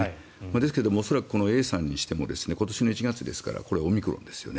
ですけども恐らくこのＡさんにしても今年の１月ですからこれはオミクロンですよね。